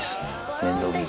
面倒見が。